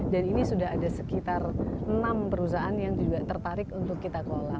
dan ini sudah ada sekitar enam perusahaan yang juga tertarik untuk kita kelola